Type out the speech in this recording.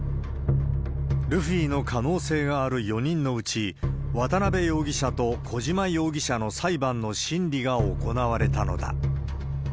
ルフィの可能性がある４人のうち、渡辺容疑者と小島容疑者の裁判の審理が行われたのだ。